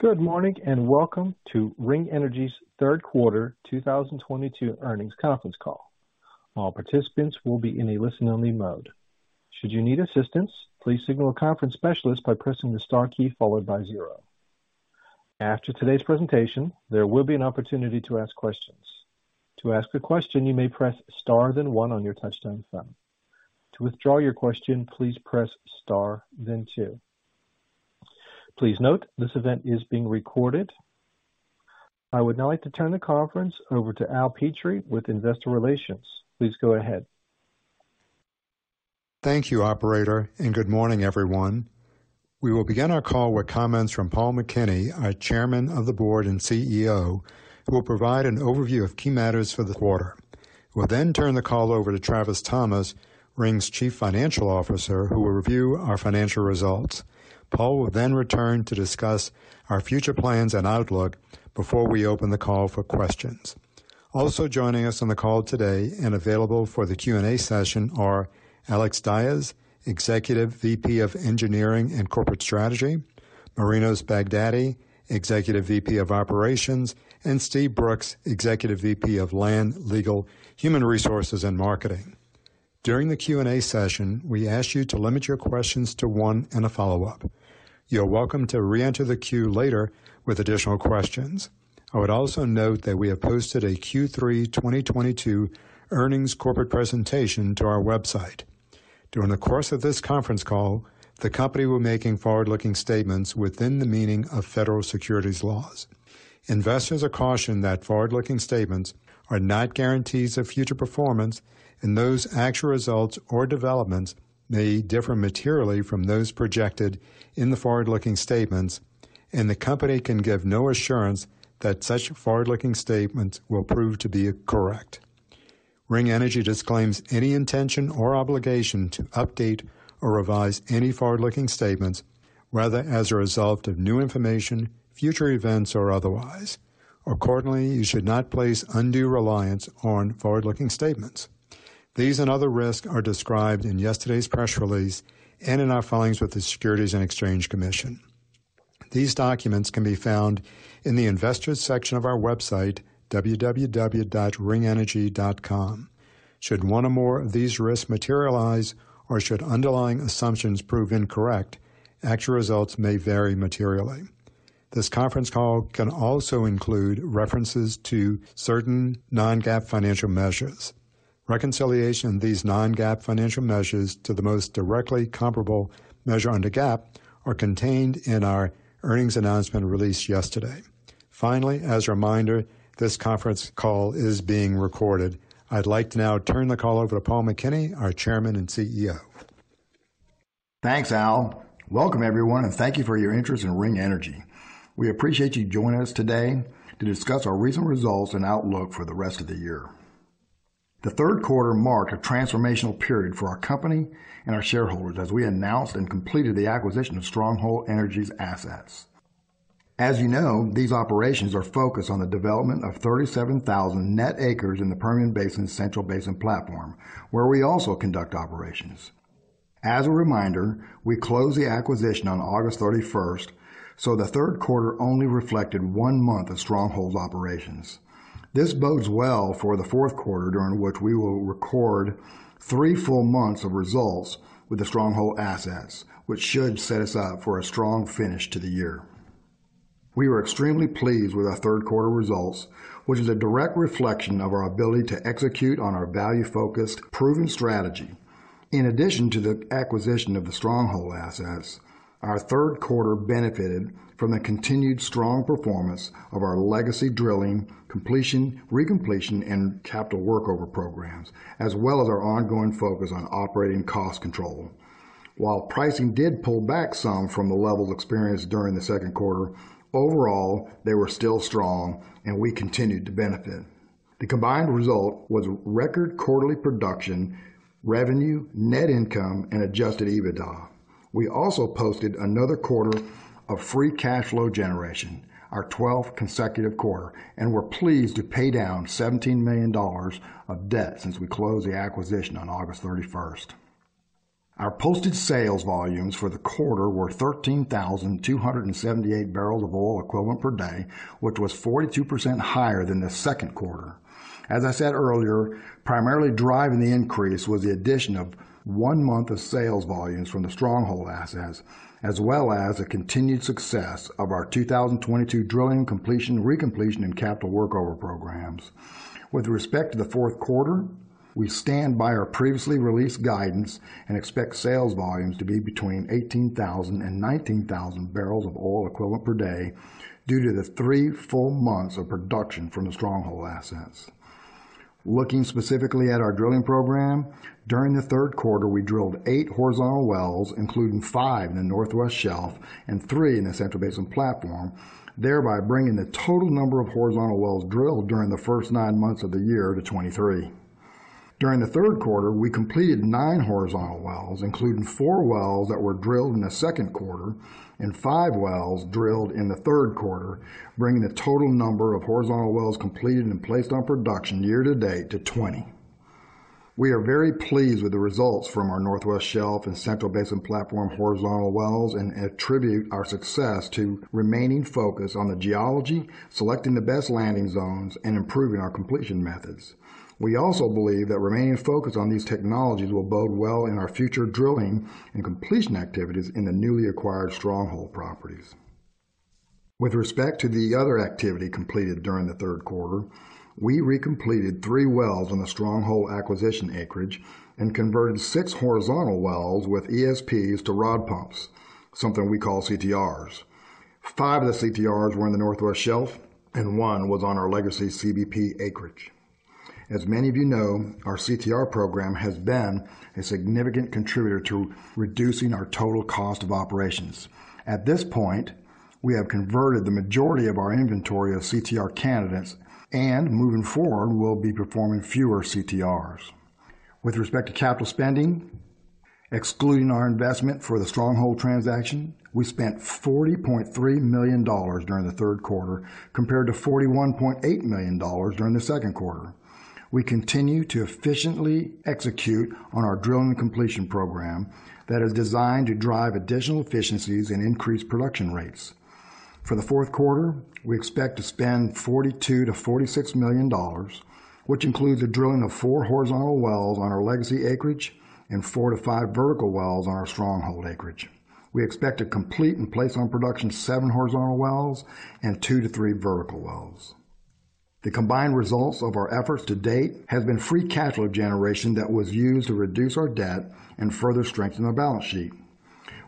Good morning, and welcome to Ring Energy's third quarter 2022 earnings conference call. All participants will be in a listen-only mode. Should you need assistance, please signal a conference specialist by pressing the star key followed by zero. After today's presentation, there will be an opportunity to ask questions. To ask a question, you may press star then one on your touch-tone phone. To withdraw your question, please press star then two. Please note, this event is being recorded. I would now like to turn the conference over to Al Petrie with Investor Relations. Please go ahead. Thank you, operator, and good morning, everyone. We will begin our call with comments from Paul McKinney, our Chairman of the Board and CEO, who will provide an overview of key matters for the quarter. We'll then turn the call over to Travis Thomas, Ring's Chief Financial Officer, who will review our financial results. Paul will then return to discuss our future plans and outlook before we open the call for questions. Also joining us on the call today and available for the Q&A session are Alex Dyes, Executive VP of Engineering and Corporate Strategy, Marinos Baghdati, Executive VP of Operations, and Steve Brooks, Executive VP of Land, Legal, Human Resources, and Marketing. During the Q&A session, we ask you to limit your questions to one and a follow-up. You're welcome to re-enter the queue later with additional questions. I would also note that we have posted a Q3 2022 earnings corporate presentation to our website. During the course of this conference call, the company will be making forward-looking statements within the meaning of federal securities laws. Investors are cautioned that forward-looking statements are not guarantees of future performance, and those actual results or developments may differ materially from those projected in the forward-looking statements, and the company can give no assurance that such forward-looking statements will prove to be correct. Ring Energy disclaims any intention or obligation to update or revise any forward-looking statements, whether as a result of new information, future events, or otherwise. Accordingly, you should not place undue reliance on forward-looking statements. These and other risks are described in yesterday's press release and in our filings with the Securities and Exchange Commission. These documents can be found in the Investors section of our website, www.ringenergy.com. Should one or more of these risks materialize, or should underlying assumptions prove incorrect, actual results may vary materially. This conference call can also include references to certain non-GAAP financial measures. Reconciliation of these non-GAAP financial measures to the most directly comparable measure under GAAP are contained in our earnings announcement released yesterday. Finally, as a reminder, this conference call is being recorded. I'd like to now turn the call over to Paul McKinney, our Chairman and CEO. Thanks, Al. Welcome, everyone, and thank you for your interest in Ring Energy. We appreciate you joining us today to discuss our recent results and outlook for the rest of the year. The third quarter marked a transformational period for our company and our shareholders as we announced and completed the acquisition of Stronghold Energy II's assets. As you know, these operations are focused on the development of 37,000 net acres in the Permian Basin's Central Basin Platform, where we also conduct operations. As a reminder, we closed the acquisition on August 31st, so the third quarter only reflected one month of Stronghold's operations. This bodes well for the fourth quarter, during which we will record three full months of results with the Stronghold assets, which should set us up for a strong finish to the year. We were extremely pleased with our third quarter results, which is a direct reflection of our ability to execute on our value-focused, proven strategy. In addition to the acquisition of the Stronghold assets, our third quarter benefited from the continued strong performance of our legacy drilling, completion, recompletion, and capital workover programs, as well as our ongoing focus on operating cost control. While pricing did pull back some from the levels experienced during the second quarter, overall, they were still strong and we continued to benefit. The combined result was record quarterly production, revenue, net income, and adjusted EBITDA. We also posted another quarter of free cash flow generation, our 12th consecutive quarter, and we're pleased to pay down $17 million of debt since we closed the acquisition on August 31st. Our posted sales volumes for the quarter were 13,278 barrels of oil equivalent per day, which was 42% higher than the second quarter. As I said earlier, primarily driving the increase was the addition of one month of sales volumes from the Stronghold assets, as well as the continued success of our 2022 drilling completion, recompletion, and capital workover programs. With respect to the fourth quarter, we stand by our previously released guidance and expect sales volumes to be between 18,000 and 19,000 barrels of oil equivalent per day due to the three full months of production from the Stronghold assets. Looking specifically at our drilling program, during the third quarter, we drilled eight horizontal wells, including five in the Northwest Shelf and three in the Central Basin Platform, thereby bringing the total number of horizontal wells drilled during the first nine months of the year to 23. During the third quarter, we completed nine horizontal wells, including four wells that were drilled in the second quarter and five wells drilled in the third quarter, bringing the total number of horizontal wells completed and placed on production year-to-date to 20. We are very pleased with the results from our Northwest Shelf and Central Basin Platform horizontal wells, and attribute our success to remaining focused on the geology, selecting the best landing zones, and improving our completion methods. We also believe that remaining focused on these technologies will bode well in our future drilling and completion activities in the newly acquired Stronghold properties. With respect to the other activity completed during the third quarter, we recompleted three wells on the Stronghold acquisition acreage and converted six horizontal wells with ESPs to rod pumps, something we call CTRs. Five of the CTRs were in the Northwest Shelf and one was on our legacy CBP acreage. As many of you know, our CTR program has been a significant contributor to reducing our total cost of operations. At this point, we have converted the majority of our inventory of CTR candidates and moving forward, we'll be performing fewer CTRs. With respect to capital spending, excluding our investment for the Stronghold transaction, we spent $40.3 million during the third quarter compared to $41.8 million during the second quarter. We continue to efficiently execute on our drilling and completion program that is designed to drive additional efficiencies and increase production rates. For the fourth quarter, we expect to spend $42 million-$46 million, which includes the drilling of four horizontal wells on our legacy acreage and four to five vertical wells on our Stronghold acreage. We expect to complete and place on production seven horizontal wells and two to three vertical wells. The combined results of our efforts to date has been free cash flow generation that was used to reduce our debt and further strengthen our balance sheet.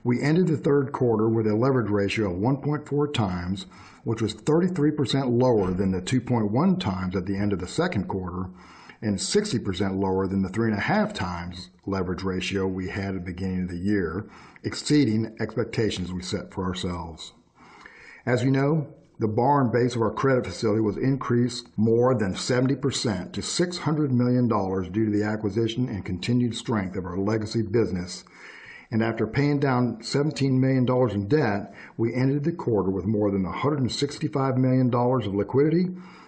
We ended the third quarter with a leverage ratio of 1.4x, which was 33% lower than the 2.1x at the end of the second quarter, and 60% lower than the 3.5x leverage ratio we had at the beginning of the year, exceeding expectations we set for ourselves. As you know, the bar and base of our credit facility was increased more than 70% to $600 million due to the acquisition and continued strength of our legacy business. After paying down $17 million in debt, we ended the quarter with more than $165 million of liquidity,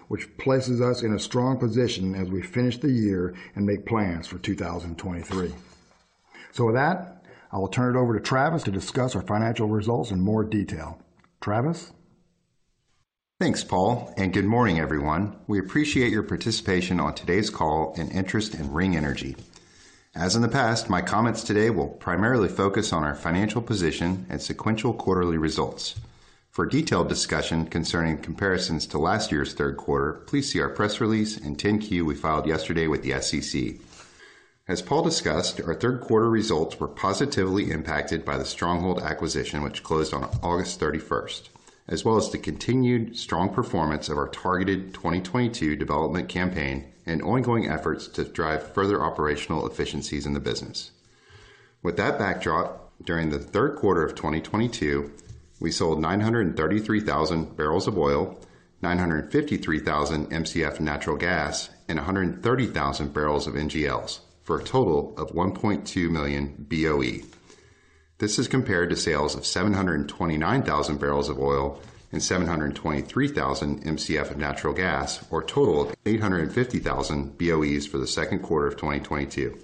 which places us in a strong position as we finish the year and make plans for 2023. With that, I will turn it over to Travis to discuss our financial results in more detail. Travis? Thanks, Paul, and good morning, everyone. We appreciate your participation on today's call and interest in Ring Energy. As in the past, my comments today will primarily focus on our financial position and sequential quarterly results. For a detailed discussion concerning comparisons to last year's third quarter, please see our press release and 10-Q we filed yesterday with the SEC. As Paul discussed, our third quarter results were positively impacted by the Stronghold acquisition, which closed on August 31st, as well as the continued strong performance of our targeted 2022 development campaign and ongoing efforts to drive further operational efficiencies in the business. With that backdrop, during the third quarter of 2022, we sold 933,000 barrels of oil, 953,000 Mcf of natural gas, and 130,000 barrels of NGLs, for a total of 1.2 million BOE. This is compared to sales of 729,000 barrels of oil and 723,000 Mcf of natural gas, or a total of 850,000 BOEs for the second quarter of 2022.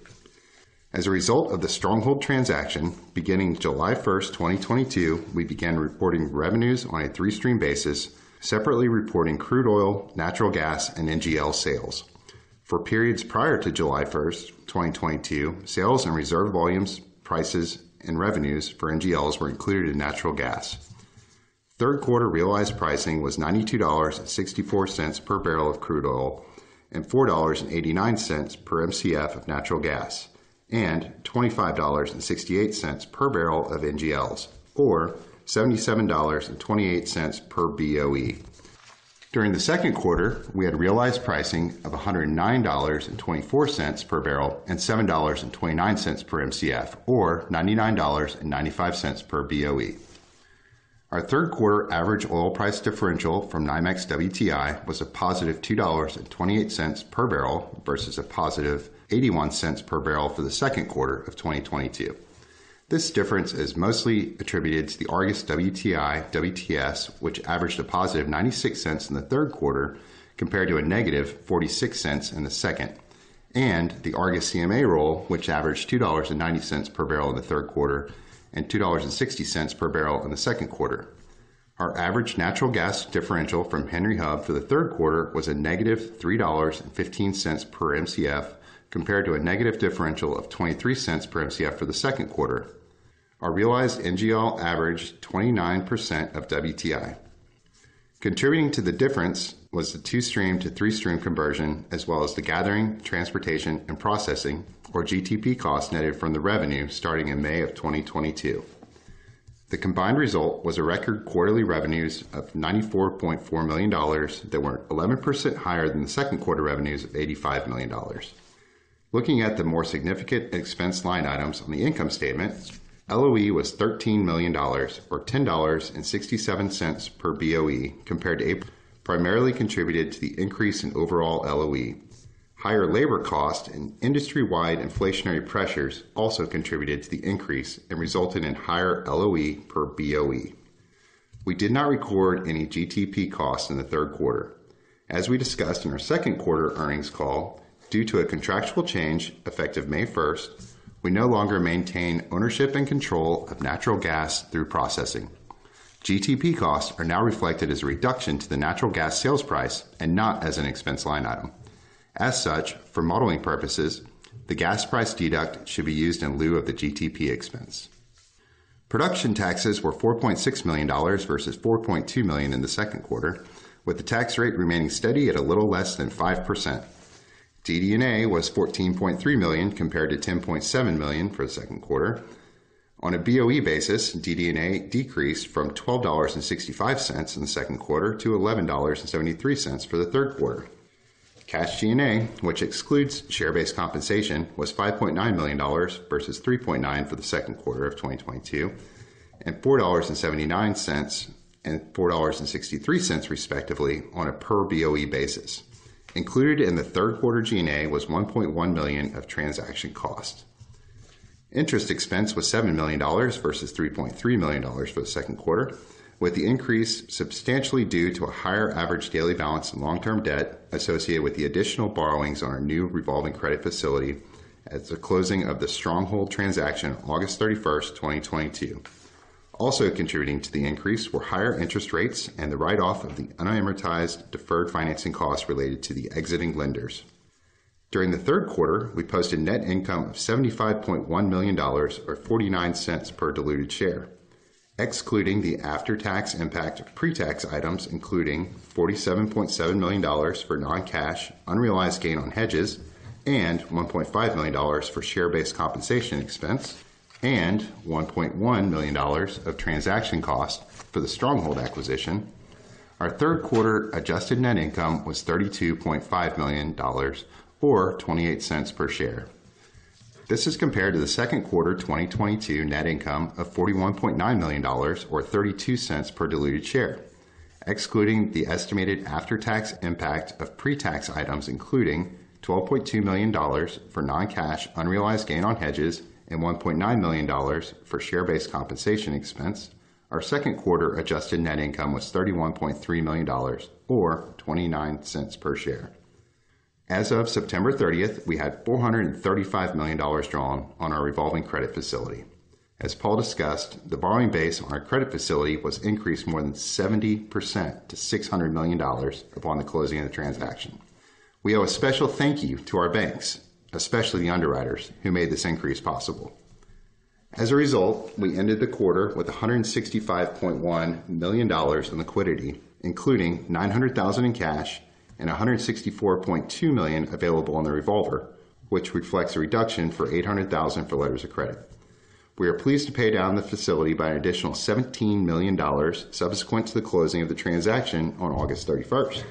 As a result of the Stronghold transaction, beginning July 1st, 2022, we began reporting revenues on a three-stream basis, separately reporting crude oil, natural gas, and NGL sales. For periods prior to July 1st, 2022, sales and reserve volumes, prices, and revenues for NGLs were included in natural gas. Third quarter realized pricing was $92.64 per barrel of crude oil, and $4.89 per Mcf of natural gas, and $25.68 per barrel of NGLs, or $77.28 per BOE. During the second quarter, we had realized pricing of $109.24 per barrel and $7.29 per Mcf, or $99.95 per BOE. Our third quarter average oil price differential from NYMEX WTI was +$2.28 per barrel versus +$0.81 per barrel for the second quarter of 2022. This difference is mostly attributed to the Argus WTI WTS, which averaged a positive 96 cents in the third quarter compared to a negative 46 cents in the second, and the Argus CMA roll, which averaged $2.90 per barrel in the third quarter and $2.60 per barrel in the second quarter. Our average natural gas differential from Henry Hub for the third quarter was a -$3.15 per Mcf, compared to a negative differential of $0.23 per Mcf for the second quarter. Our realized NGL averaged 29% of WTI. Contributing to the difference was the two stream to three stream conversion as well as the gathering, transportation, and processing, or GTP costs netted from the revenue starting in May of 2022. The combined result was a record quarterly revenues of $94.4 million that were 11% higher than the second quarter revenues of $85 million. Looking at the more significant expense line items on the income statement, LOE was $13 million or $10.67 per BOE. Primarily contributed to the increase in overall LOE. Higher labor cost and industry-wide inflationary pressures also contributed to the increase and resulted in higher LOE per BOE. We did not record any GTP costs in the third quarter. As we discussed in our second quarter earnings call, due to a contractual change effective May 1st, we no longer maintain ownership and control of natural gas through processing. GTP costs are now reflected as a reduction to the natural gas sales price and not as an expense line item. As such, for modeling purposes, the gas price deduct should be used in lieu of the GTP expense. Production taxes were $46 million versus $4.2 million in the second quarter, with the tax rate remaining steady at a little less than 5%. DD&A was $14.3 million compared to $10.7 million for the second quarter. On a BOE basis, DD&A decreased from $12.65 in the second quarter to $11.73 for the third quarter. Cash G&A, which excludes share-based compensation, was $5.9 million versus $3.9 million for the second quarter of 2022, and $4.79 and $4.63, respectively, on a per BOE basis. Included in the third quarter G&A was $1.1 million of transaction costs. Interest expense was $7 million versus $3.3 million for the second quarter, with the increase substantially due to a higher average daily balance in long-term debt associated with the additional borrowings on our new revolving credit facility at the closing of the Stronghold transaction August 31st, 2022. Also contributing to the increase were higher interest rates and the write-off of the unamortized deferred financing costs related to the exiting lenders. During the third quarter, we posted net income of $75.1 million or $0.49 per diluted share. Excluding the after-tax impact of pre-tax items, including $47.7 million for non-cash, unrealized gain on hedges, and $1.5 million for share-based compensation expense, and $1.1 million of transaction costs for the Stronghold acquisition. Our third quarter adjusted net income was $32.5 million, or $0.28 per share. This is compared to the second quarter 2022 net income of $41.9 million or $0.32 per diluted share. Excluding the estimated after-tax impact of pre-tax items, including $12.2 million for non-cash, unrealized gain on hedges and $1.9 million for share-based compensation expense, our second quarter adjusted net income was $31.3 million or $0.29 per share. As of September 30th, we had $435 million drawn on our revolving credit facility. As Paul discussed, the borrowing base on our credit facility was increased more than 70% to $600 million upon the closing of the transaction. We owe a special thank you to our banks, especially the underwriters, who made this increase possible. As a result, we ended the quarter with $165.1 million in liquidity, including $900,000 in cash and $164.2 million available on the revolver, which reflects a reduction for $800,000 for letters of credit. We are pleased to pay down the facility by an additional $17 million subsequent to the closing of the transaction on August 31st.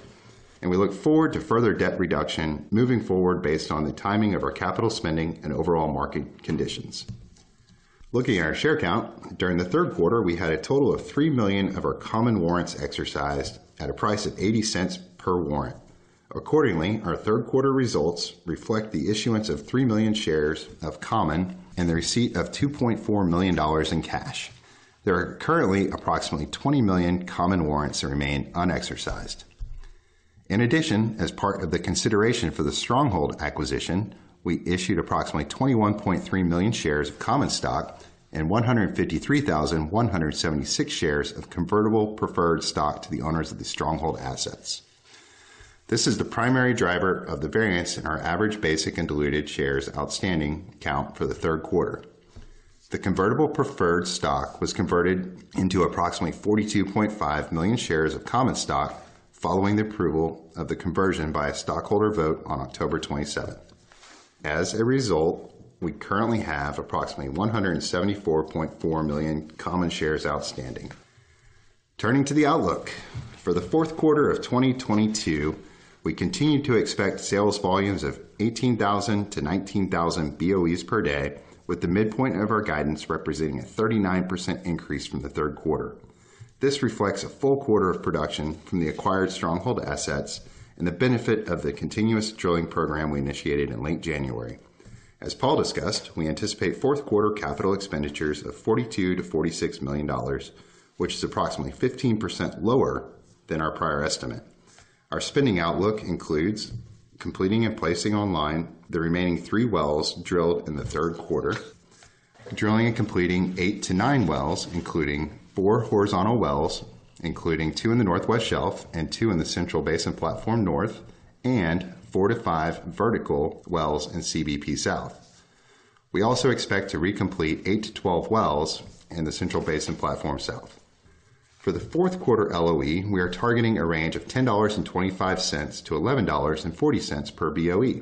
We look forward to further debt reduction moving forward based on the timing of our capital spending and overall market conditions. Looking at our share count, during the third quarter, we had a total of 3 million of our common warrants exercised at a price of $0.80 per warrant. Accordingly, our third quarter results reflect the issuance of 3 million shares of common and the receipt of $2.4 million in cash. There are currently approximately 20 million common warrants that remain unexercised. In addition, as part of the consideration for the Stronghold acquisition, we issued approximately 21.3 million shares of common stock and 153,176 shares of convertible preferred stock to the owners of the Stronghold assets. This is the primary driver of the variance in our average basic and diluted shares outstanding count for the third quarter. The convertible preferred stock was converted into approximately 42.5 million shares of common stock following the approval of the conversion by a stockholder vote on October 27th. As a result, we currently have approximately 174.4 million common shares outstanding. Turning to the outlook. For the fourth quarter of 2022, we continue to expect sales volumes of 18,000-19,000 BOEs per day, with the midpoint of our guidance representing a 39% increase from the third quarter. This reflects a full quarter of production from the acquired Stronghold assets and the benefit of the continuous drilling program we initiated in late January. As Paul discussed, we anticipate fourth quarter capital expenditures of $42 million-$46 million, which is approximately 15% lower than our prior estimate. Our spending outlook includes completing and placing online the remaining three wells drilled in the third quarter, drilling and completing eight to nine wells, including four horizontal wells, including two in the Northwest Shelf and two in the Central Basin Platform North, and four to five vertical wells in CBP South. We also expect to recomplete eight to 12 wells in the Central Basin Platform South. For the fourth quarter LOE, we are targeting a range of $10.25-$11.40 per BOE.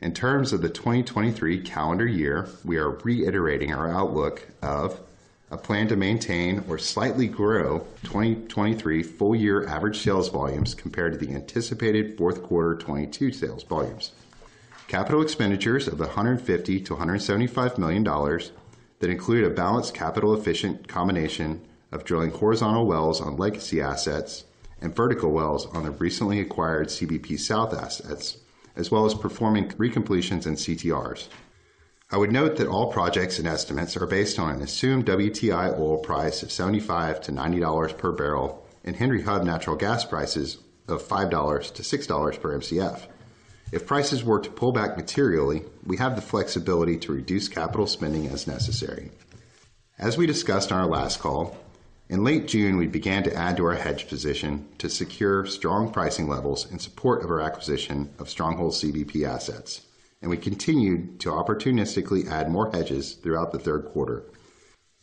In terms of the 2023 calendar year, we are reiterating our outlook of a plan to maintain or slightly grow 2023 full year average sales volumes compared to the anticipated fourth quarter 2022 sales volumes. Capital expenditures of $150 million-$175 million that include a balanced capital efficient combination of drilling horizontal wells on legacy assets and vertical wells on the recently acquired CBP South assets, as well as performing recompletions and CTRs. I would note that all projects and estimates are based on an assumed WTI oil price of $75-$90 per barrel and Henry Hub natural gas prices of $5-$6 per Mcf. If prices were to pull back materially, we have the flexibility to reduce capital spending as necessary. As we discussed on our last call, in late June, we began to add to our hedge position to secure strong pricing levels in support of our acquisition of Stronghold CBP assets, and we continued to opportunistically add more hedges throughout the third quarter.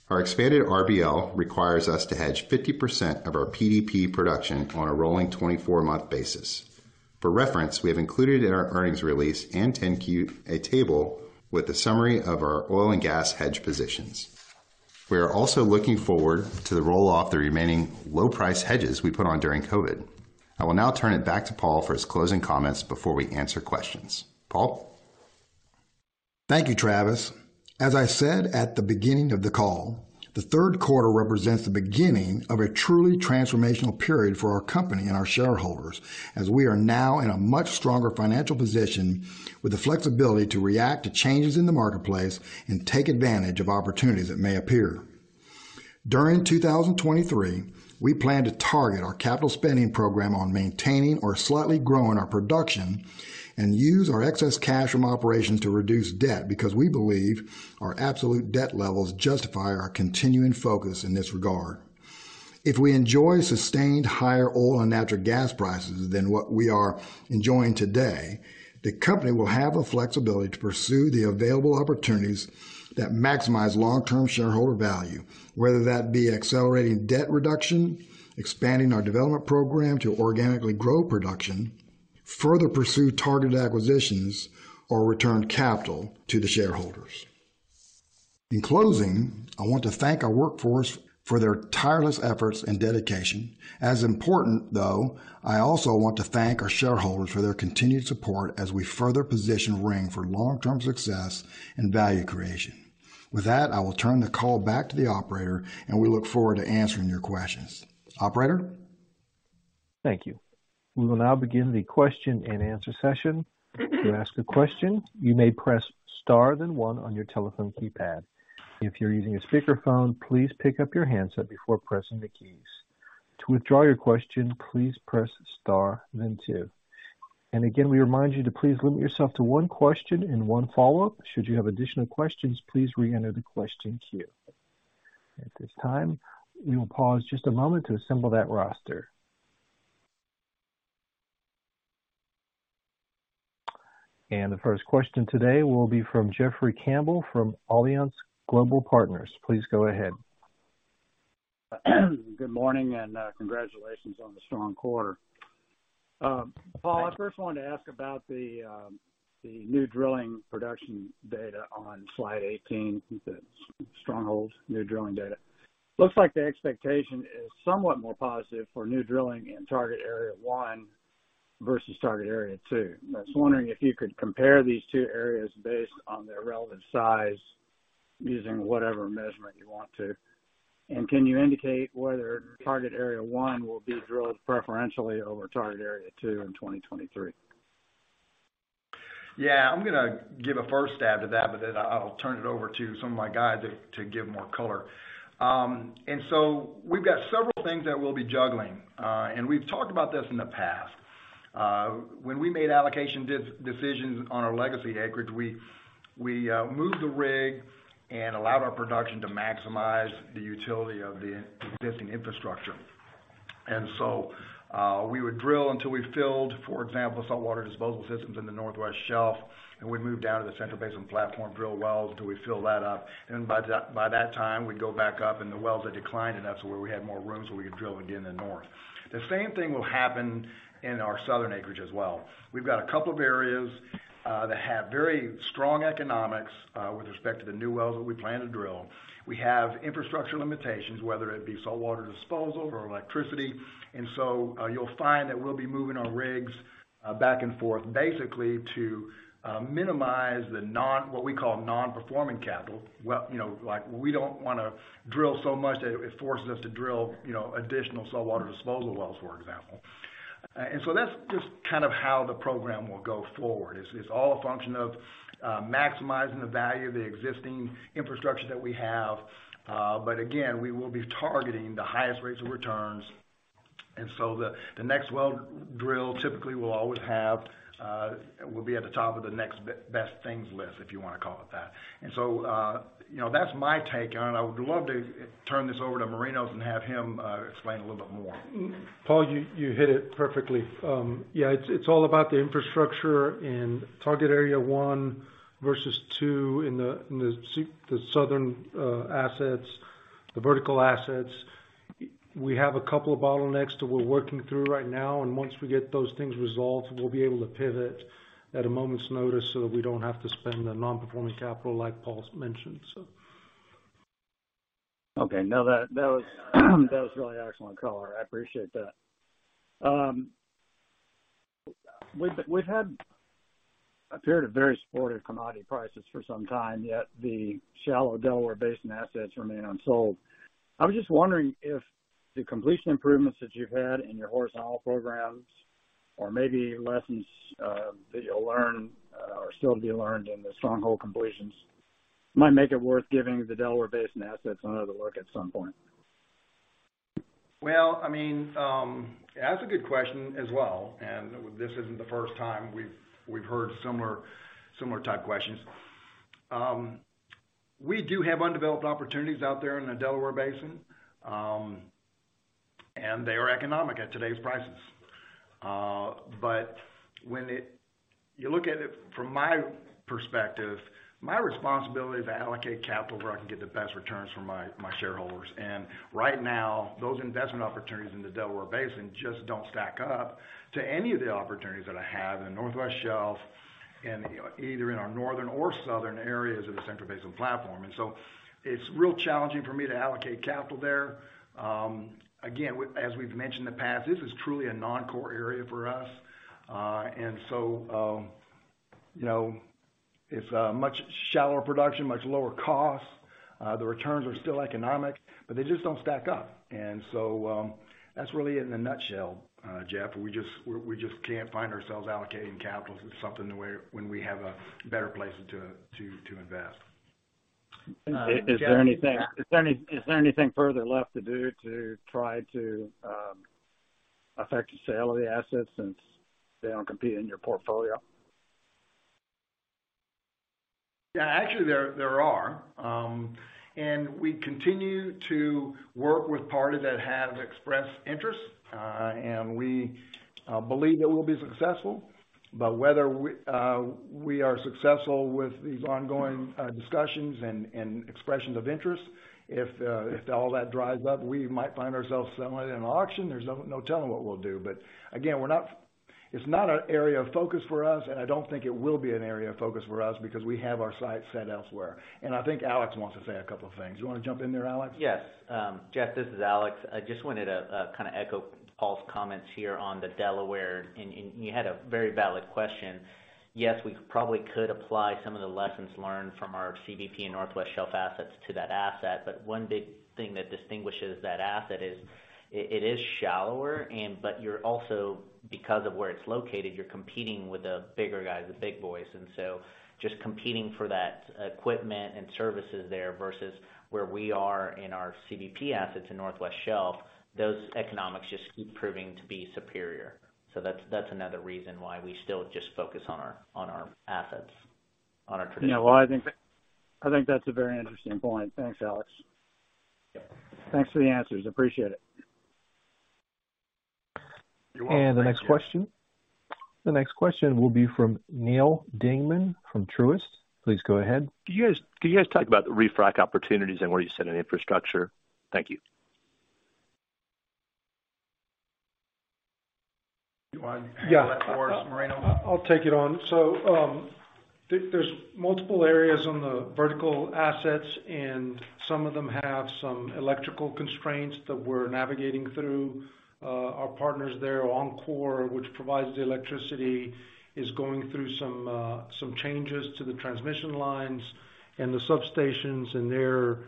Our expanded RBL requires us to hedge 50% of our PDP production on a rolling 24-month basis. For reference, we have included in our earnings release and 10-Q a table with a summary of our oil and gas hedge positions. We are also looking forward to the roll-off of the remaining low price hedges we put on during COVID. I will now turn it back to Paul for his closing comments before we answer questions. Paul? Thank you, Travis. As I said at the beginning of the call, the third quarter represents the beginning of a truly transformational period for our company and our shareholders as we are now in a much stronger financial position with the flexibility to react to changes in the marketplace and take advantage of opportunities that may appear. During 2023, we plan to target our capital spending program on maintaining or slightly growing our production and use our excess cash from operations to reduce debt because we believe our absolute debt levels justify our continuing focus in this regard. If we enjoy sustained higher oil and natural gas prices than what we are enjoying today, the company will have the flexibility to pursue the available opportunities that maximize long-term shareholder value, whether that be accelerating debt reduction, expanding our development program to organically grow production, further pursue targeted acquisitions, or return capital to the shareholders. In closing, I want to thank our workforce for their tireless efforts and dedication. As important, though, I also want to thank our shareholders for their continued support as we further position Ring for long-term success and value creation. With that, I will turn the call back to the operator, and we look forward to answering your questions. Operator? Thank you. We will now begin the question-and-answer session. To ask a question, you may press star then one on your telephone keypad. If you're using a speakerphone, please pick up your handset before pressing the keys. To withdraw your question, please press star then two. Again, we remind you to please limit yourself to one question and one follow-up. Should you have additional questions, please reenter the question queue. At this time, we will pause just a moment to assemble that roster. The first question today will be from Jeffrey Campbell from Alliance Global Partners. Please go ahead. Good morning, and congratulations on the strong quarter. Paul, I first wanted to ask about the new drilling production data on slide 18, the Stronghold new drilling data. Looks like the expectation is somewhat more positive for new drilling in target area one versus target area two. I was wondering if you could compare these two areas based on their relative size using whatever measurement you want to. Can you indicate whether target area one will be drilled preferentially over target area two in 2023? Yeah. I'm gonna give a first stab to that, but then I'll turn it over to some of my guys to give more color. We've got several things that we'll be juggling, and we've talked about this in the past. When we made allocation decisions on our legacy acreage, we moved the rig and allowed our production to maximize the utility of the existing infrastructure. We would drill until we filled, for example, saltwater disposal systems in the Northwest Shelf, and we'd move down to the Central Basin Platform, drill wells until we fill that up. By that time, we'd go back up and the wells had declined, and that's where we had more room, so we could drill again in the north. The same thing will happen in our southern acreage as well. We've got a couple of areas that have very strong economics with respect to the new wells that we plan to drill. We have infrastructure limitations, whether it be saltwater disposal or electricity. You'll find that we'll be moving our rigs back and forth basically to minimize what we call non-performing capital. Well, you know, like, we don't wanna drill so much that it forces us to drill, you know, additional saltwater disposal wells, for example. That's just kind of how the program will go forward. It's all a function of maximizing the value of the existing infrastructure that we have. Again, we will be targeting the highest rates of returns. The next well drill typically will be at the top of the next best things list, if you wanna call it that. You know, that's my take on it. I would love to turn this over to Marinos and have him explain a little bit more. Paul, you hit it perfectly. Yeah, it's all about the infrastructure in target area one versus two in the southern assets, the vertical assets. We have a couple of bottlenecks that we're working through right now, and once we get those things resolved, we'll be able to pivot at a moment's notice so that we don't have to spend the non-performing capital like Paul's mentioned. Okay. No, that was really excellent color. I appreciate that. We've had a period of very supportive commodity prices for some time, yet the shallow Delaware Basin assets remain unsold. I was just wondering if the completion improvements that you've had in your horizontal programs. Maybe lessons that you'll learn or still to be learned in the Stronghold completions might make it worth giving the Delaware Basin assets another look at some point. Well, I mean, that's a good question as well, and this isn't the first time we've heard similar type questions. We do have undeveloped opportunities out there in the Delaware Basin, and they are economic at today's prices. When you look at it from my perspective, my responsibility is to allocate capital where I can get the best returns for my shareholders. Right now, those investment opportunities in the Delaware Basin just don't stack up to any of the opportunities that I have in the Northwest Shelf and either in our northern or southern areas of the Central Basin Platform. It's real challenging for me to allocate capital there. Again, as we've mentioned in the past, this is truly a non-core area for us. You know, it's a much shallower production, much lower cost. The returns are still economic, but they just don't stack up. That's really in a nutshell, Jeff. We just can't find ourselves allocating capital to something when we have better places to invest. Is there anything? Is there anything further left to do to try to affect the sale of the assets since they don't compete in your portfolio? Yeah. Actually, there are. We continue to work with parties that have expressed interest, and we believe that we'll be successful. Whether we are successful with these ongoing discussions and expressions of interest, if all that dries up, we might find ourselves selling at an auction. There's no telling what we'll do. Again, it's not an area of focus for us, and I don't think it will be an area of focus for us because we have our sights set elsewhere. I think Alex wants to say a couple of things. You wanna jump in there, Alex? Yes. Jeff, this is Alex. I just wanted to kind of echo Paul's comments here on the Delaware. You had a very valid question. Yes, we probably could apply some of the lessons learned from our CBP and Northwest Shelf assets to that asset, but one big thing that distinguishes that asset is it is shallower, but you're also, because of where it's located, you're competing with the bigger guys, the big boys, and so just competing for that equipment and services there versus where we are in our CBP assets in Northwest Shelf, those economics just keep proving to be superior. That's another reason why we still just focus on our assets, on our traditional. Yeah. Well, I think that's a very interesting point. Thanks, Alex. Thanks for the answers. Appreciate it. You're welcome. The next question. The next question will be from Neal Dingmann from Truist. Please go ahead. Can you guys talk about the refrac opportunities and where you sit in infrastructure? Thank you. You want to handle that for us, Marino? Yeah. I'll take it on. There's multiple areas on the vertical assets, and some of them have some electrical constraints that we're navigating through. Our partners there, Oncor, which provides the electricity, is going through some changes to the transmission lines and the substations, and they're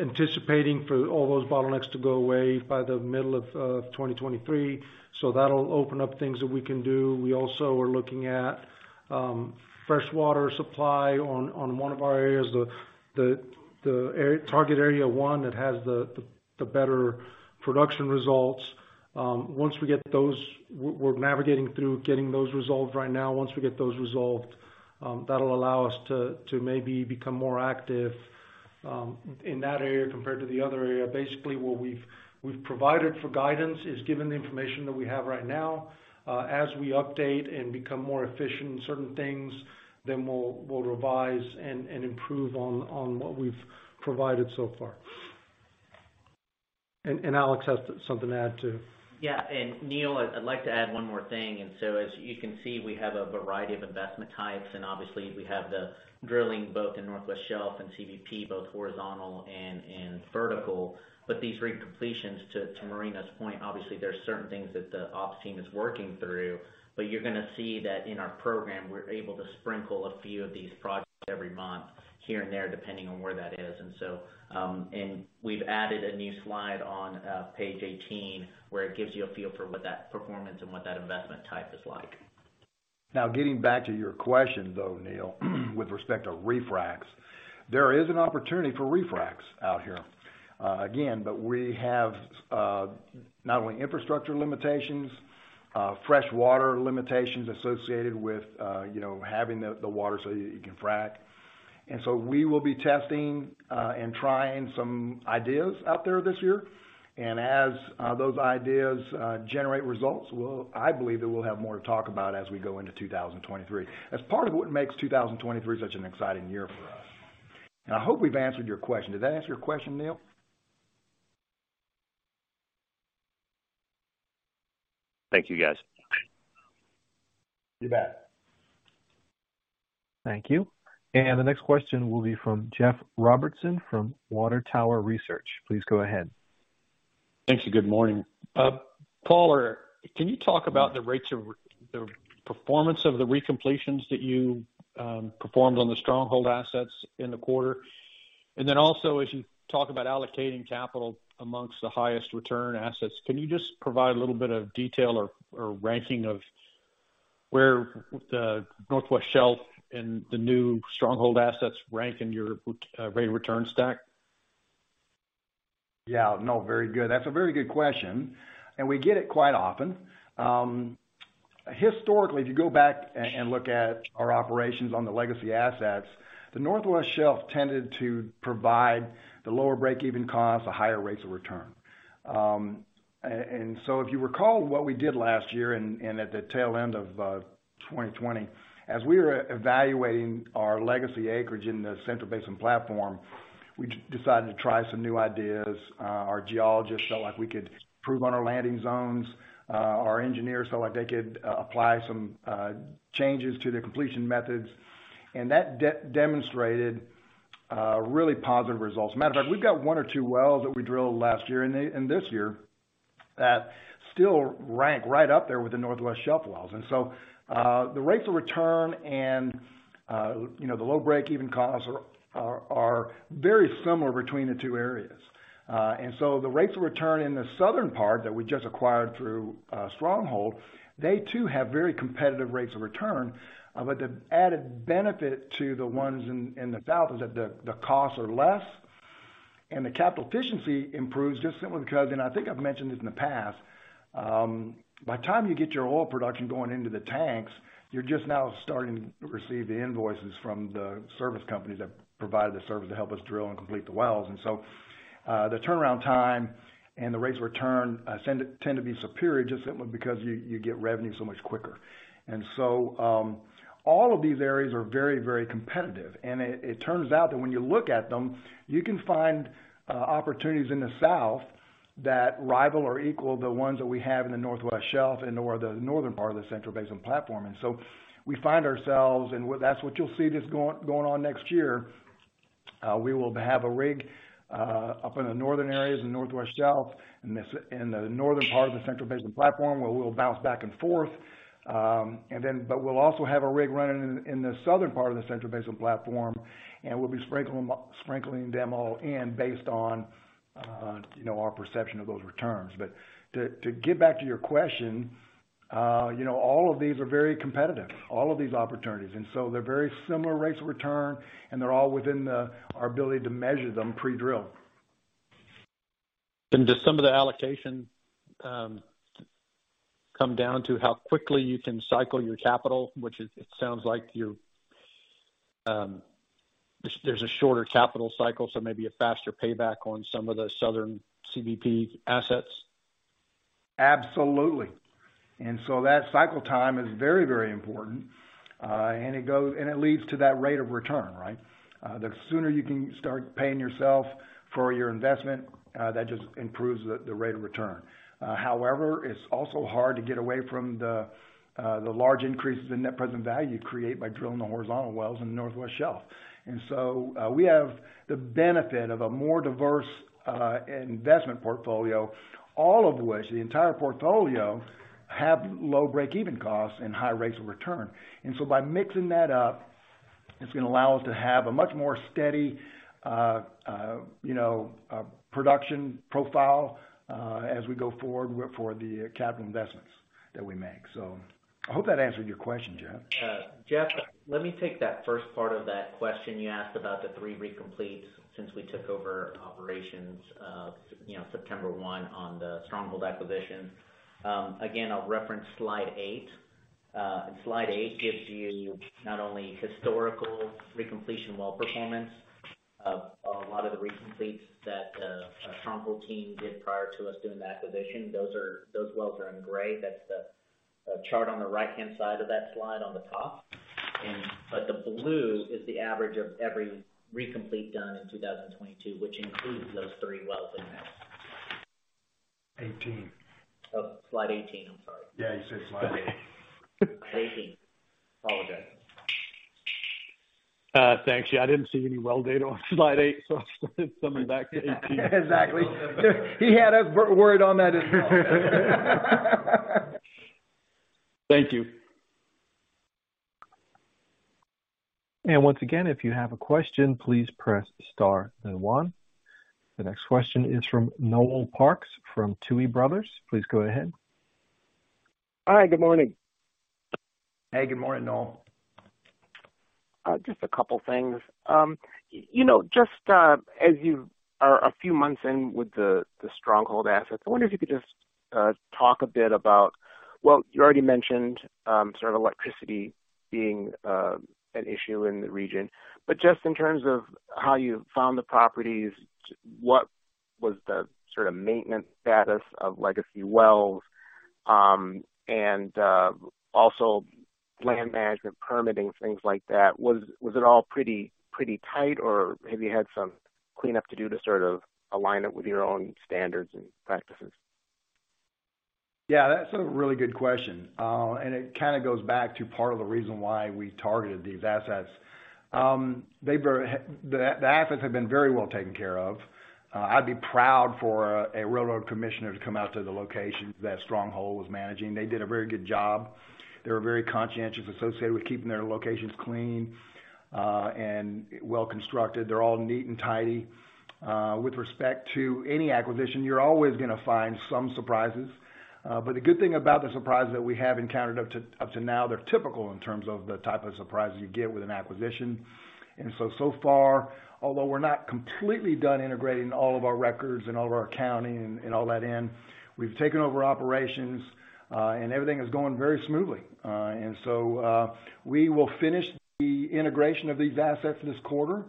anticipating for all those bottlenecks to go away by the middle of 2023. That'll open up things that we can do. We also are looking at fresh water supply on one of our areas, the target area one that has the better production results. We're navigating through getting those resolved right now. Once we get those resolved, that'll allow us to maybe become more active in that area compared to the other area. Basically, what we've provided for guidance is given the information that we have right now. As we update and become more efficient in certain things, then we'll revise and improve on what we've provided so far. Alex has something to add too. Yeah. Neal, I'd like to add one more thing. As you can see, we have a variety of investment types, and obviously we have the drilling both in Northwest Shelf and CBP, both horizontal and vertical. These recompletions, to Marino's point, obviously there are certain things that the ops team is working through. You're gonna see that in our program, we're able to sprinkle a few of these projects every month here and there, depending on where that is. We've added a new slide on page 18, where it gives you a feel for what that performance and what that investment type is like. Now, getting back to your question, though, Neal, with respect to refracs, there is an opportunity for refracs out here. Again, but we have not only infrastructure limitations, fresh water limitations associated with you know, having the water so you can frac. We will be testing and trying some ideas out there this year. As those ideas generate results, we'll. I believe that we'll have more to talk about as we go into 2023. That's part of what makes 2023 such an exciting year for us. I hope we've answered your question. Did that answer your question, Neal? Thank you, guys. You bet. Thank you. The next question will be from Jeff Robertson from Water Tower Research. Please go ahead. Thank you. Good morning. Paul, can you talk about the performance of the recompletions that you performed on the Stronghold assets in the quarter? Then also as you talk about allocating capital amongst the highest return assets, can you just provide a little bit of detail or ranking of where the Northwest Shelf and the new Stronghold assets rank in your rate of return stack? Yeah. No, very good. That's a very good question, and we get it quite often. Historically, if you go back and look at our operations on the legacy assets, the Northwest Shelf tended to provide the lower break-even costs, the higher rates of return, so if you recall what we did last year and at the tail end of 2020, as we were evaluating our legacy acreage in the Central Basin Platform, we decided to try some new ideas. Our geologists felt like we could improve on our landing zones. Our engineers felt like they could apply some changes to the completion methods, and that demonstrated really positive results. Matter of fact, we've got one or two wells that we drilled last year and this year that still rank right up there with the Northwest Shelf wells. The rates of return and, you know, the low break-even costs are very similar between the two areas. The rates of return in the southern part that we just acquired through Stronghold, they too have very competitive rates of return. The added benefit to the ones in the south is that the costs are less and the capital efficiency improves just simply because, and I think I've mentioned this in the past, by the time you get your oil production going into the tanks, you're just now starting to receive the invoices from the service companies that provide the service to help us drill and complete the wells. The turnaround time and the rates of return tend to be superior just simply because you get revenue so much quicker. All of these areas are very, very competitive. It turns out that when you look at them, you can find opportunities in the south that rival or equal the ones that we have in the Northwest Shelf and/or the northern part of the Central Basin Platform. We find ourselves, that's what you'll see just going on next year. We will have a rig up in the northern areas of Northwest Shelf, in the northern part of the Central Basin Platform, where we'll bounce back and forth. We'll also have a rig running in the southern part of the Central Basin Platform, and we'll be sprinkling them all in based on, you know, our perception of those returns. To get back to your question, you know, all of these are very competitive, all of these opportunities. They're very similar rates of return, and they're all within our ability to measure them pre-drill. Does some of the allocation come down to how quickly you can cycle your capital, which is, it sounds like you're. There's a shorter capital cycle, so maybe a faster payback on some of the southern CBP assets? Absolutely. That cycle time is very, very important. It leads to that rate of return, right? The sooner you can start paying yourself for your investment, that just improves the rate of return. However, it's also hard to get away from the large increases in net present value you create by drilling the horizontal wells in the Northwest Shelf. We have the benefit of a more diverse investment portfolio, all of which, the entire portfolio, have low break-even costs and high rates of return. By mixing that up, it's gonna allow us to have a much more steady, you know, production profile as we go forward for the capital investments that we make. I hope that answered your question, Jeff. Jeff, let me take that first part of that question you asked about the three recompletes since we took over operations, you know, September 1 on the Stronghold acquisition. Again, I'll reference slide eight. Slide eight gives you not only historical recompletion well performance of a lot of the recompletes that our Stronghold team did prior to us doing the acquisition. Those wells are in gray. That's the chart on the right-hand side of that slide on the top. But the blue is the average of every recomplete done in 2022, which includes those three wells in there. 18. Oh, slide 18, I'm sorry. Yeah, you said slide eight. 18. Apologize. Thanks. Yeah, I didn't see any well data on slide eight, so I just hit something back to 18. Exactly. He had a word on that as well. Thank you. Once again, if you have a question, please press star then one. The next question is from Noel Parks from Tuohy Brothers. Please go ahead. Hi, good morning. Hey, good morning, Noel. Just a couple things. You know, just as you are a few months in with the Stronghold assets, I wonder if you could just talk a bit about, well, you already mentioned sort of electricity being an issue in the region. Just in terms of how you found the properties, what was the sort of maintenance status of legacy wells, and also land management permitting, things like that. Was it all pretty tight or have you had some cleanup to do to sort of align it with your own standards and practices? Yeah, that's a really good question. It kinda goes back to part of the reason why we targeted these assets. The assets have been very well taken care of. I'd be proud for a railroad commissioner to come out to the locations that Stronghold was managing. They did a very good job. They were very conscientious associated with keeping their locations clean, and well constructed. They're all neat and tidy. With respect to any acquisition, you're always gonna find some surprises. The good thing about the surprises that we have encountered up to now, they're typical in terms of the type of surprises you get with an acquisition. So far, although we're not completely done integrating all of our records and all of our accounting and all that in, we've taken over operations, and everything is going very smoothly. We will finish the integration of these assets this quarter.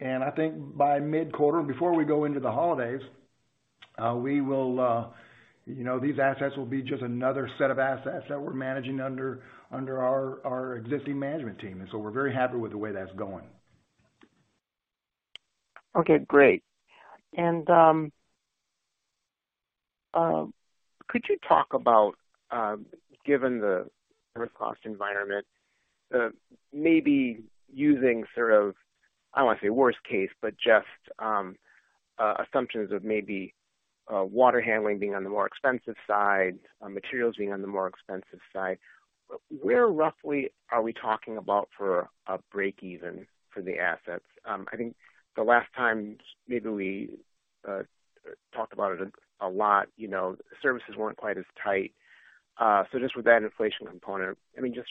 I think by mid-quarter, before we go into the holidays, we will, you know, these assets will be just another set of assets that we're managing under our existing management team. We're very happy with the way that's going. Okay, great. Could you talk about, given the current cost environment, maybe using sort of, I don't wanna say worst case, but just assumptions of maybe water handling being on the more expensive side, materials being on the more expensive side. Where roughly are we talking about for a break even for the assets? I think the last time maybe we talked about it a lot, you know, services weren't quite as tight. Just with that inflation component, I mean, just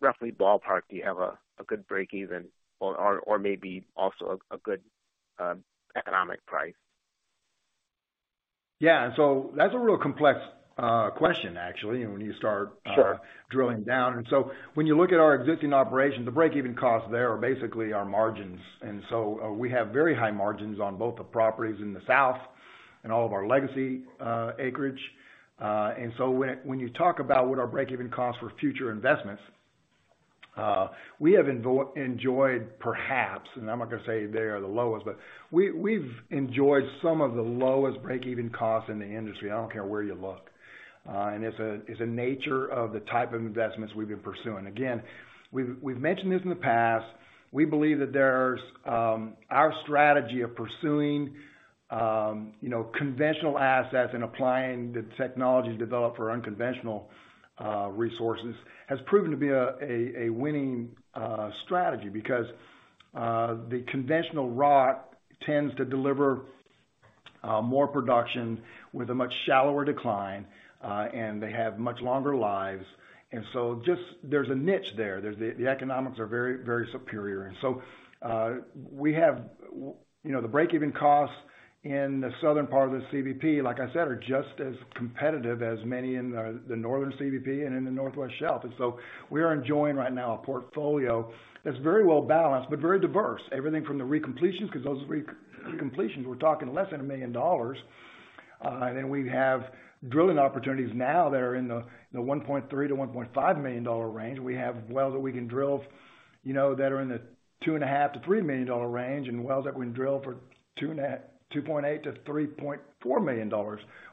roughly ballpark, do you have a good break even or maybe also a good economic price? Yeah. That's a real complex question actually, when you start. Sure Drilling down. When you look at our existing operations, the break-even costs there are basically our margins. We have very high margins on both the properties in the south and all of our legacy acreage. When you talk about what our break-even costs for future investments, we have enjoyed perhaps, and I'm not gonna say they are the lowest, but we've enjoyed some of the lowest break-even costs in the industry. I don't care where you look. It's a nature of the type of investments we've been pursuing. Again, we've mentioned this in the past. We believe that there's our strategy of pursuing you know conventional assets and applying the technology developed for unconventional resources has proven to be a winning strategy because the conventional rock tends to deliver more production with a much shallower decline and they have much longer lives. There's a niche there. The economics are very superior. We have you know the break-even costs in the southern part of the CBP, like I said, are just as competitive as many in the northern CBP and in the Northwest Shelf. We are enjoying right now a portfolio that's very well balanced but very diverse. Everything from the recompletions, 'cause those recompletions we're talking less than $1 million. We have drilling opportunities now that are in the $1.3 million-$1.5 million range. We have wells that we can drill, you know, that are in the $2.5 million-$3 million range, and wells that we can drill for $2.2 million-$3.4 million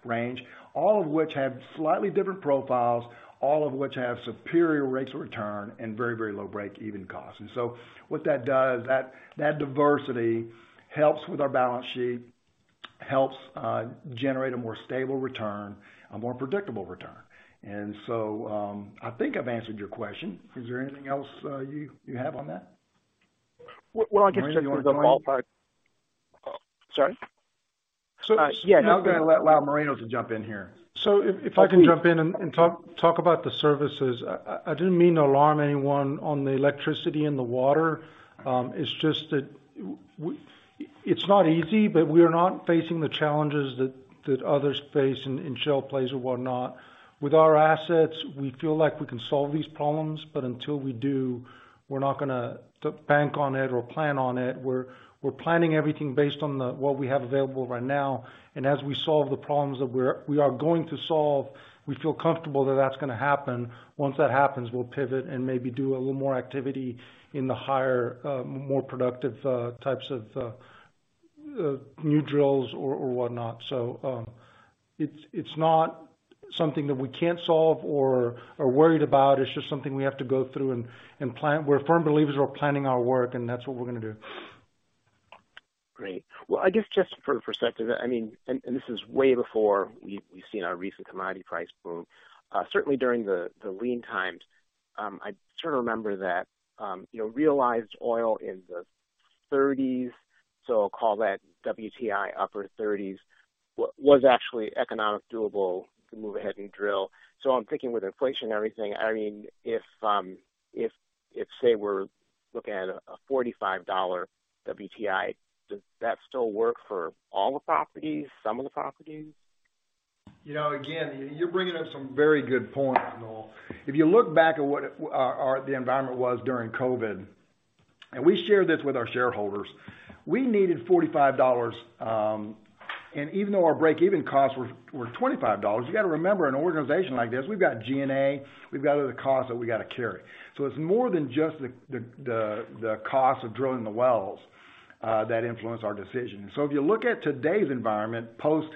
range. All of which have slightly different profiles, all of which have superior rates of return and very, very low break-even costs. What that does, that diversity helps with our balance sheet, helps generate a more stable return, a more predictable return. I think I've answered your question. Is there anything else you have on that? What I can say is the ballpark. Marinos, you wanna join? Sorry. Yeah. Now I'm gonna allow Marinos to jump in here. If I can jump in and talk about the services. I didn't mean to alarm anyone on the electricity and the water. It's just that it's not easy, but we are not facing the challenges that others face in shale plays or whatnot. With our assets, we feel like we can solve these problems, but until we do, we're not gonna bank on it or plan on it. We're planning everything based on what we have available right now. As we solve the problems that we are going to solve, we feel comfortable that that's gonna happen. Once that happens, we'll pivot and maybe do a little more activity in the higher more productive types of new drills or whatnot. It's not something that we can't solve or are worried about. It's just something we have to go through and plan. We're firm believers of planning our work, and that's what we're gonna do. Great. Well, I guess just for perspective, I mean, this is way before we've seen our recent commodity price boom. Certainly during the lean times, I sort of remember that, you know, realized oil in the 30s, so I'll call that WTI upper 30s, was actually economically doable to move ahead and drill. I'm thinking with inflation and everything, I mean, if say we're looking at a $45 WTI, does that still work for all the properties, some of the properties? You know, again, you're bringing up some very good points, Noel. If you look back at what the environment was during COVID, and we shared this with our shareholders, we needed $45, and even though our break-even costs were $25, you got to remember an organization like this, we've got G&A, we've got other costs that we got to carry. So it's more than just the cost of drilling the wells that influence our decision. So if you look at today's environment, post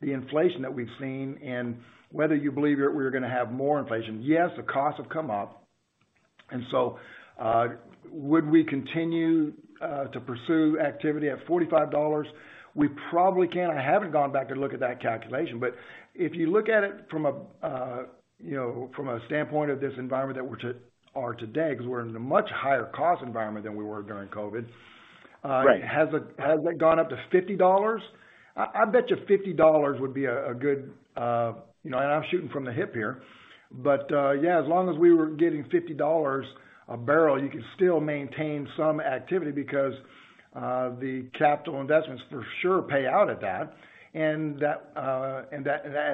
the inflation that we've seen, and whether you believe that we're gonna have more inflation, yes, the costs have come up. Would we continue to pursue activity at $45? We probably can. I haven't gone back to look at that calculation. If you look at it from a, you know, from a standpoint of this environment that we are today, 'cause we're in a much higher cost environment than we were during COVID. Right. Has it gone up to $50? I bet you $50 would be a good, you know, and I'm shooting from the hip here, but yeah, as long as we were getting $50 a barrel, you could still maintain some activity because the capital investments for sure pay out at that. At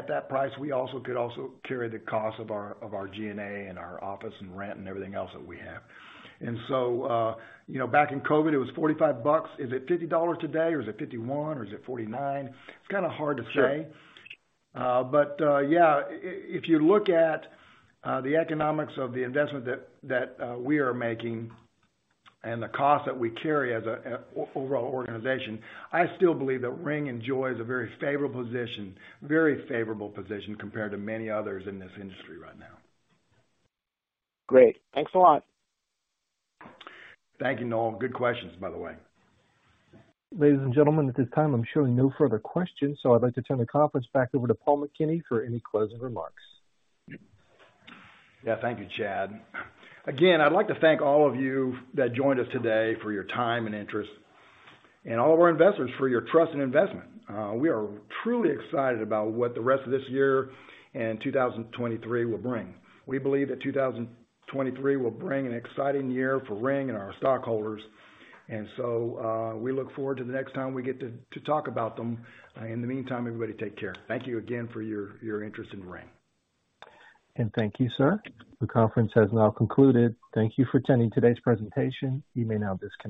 that price, we could carry the cost of our G&A and our office and rent and everything else that we have. You know, back in COVID, it was $45. Is it $50 today, or is it $51 or is it $49? It's kinda hard to say. Sure. If you look at the economics of the investment that we are making and the cost that we carry as an overall organization, I still believe that Ring enjoys a very favorable position compared to many others in this industry right now. Great. Thanks a lot. Thank you, Noel. Good questions, by the way. Ladies and gentlemen, at this time, I'm showing no further questions, so I'd like to turn the conference back over to Paul McKinney for any closing remarks. Yeah, thank you, Chad. Again, I'd like to thank all of you that joined us today for your time and interest, and all of our investors for your trust and investment. We are truly excited about what the rest of this year and 2023 will bring. We believe that 2023 will bring an exciting year for Ring and our stockholders. We look forward to the next time we get to talk about them. In the meantime, everybody take care. Thank you again for your interest in Ring. Thank you, sir. The conference has now concluded. Thank you for attending today's presentation. You may now disconnect.